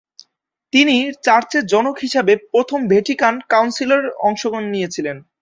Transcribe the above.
তিনি চার্চের জনক হিসাবে প্রথম ভ্যাটিকান কাউন্সিলে অংশ নিয়েছিলেন।